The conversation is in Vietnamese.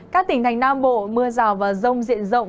các tỉnh thành nam bộ mưa rào và rông diện rộng